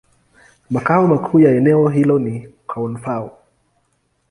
Makao makuu ya eneo hilo ni Koun-Fao.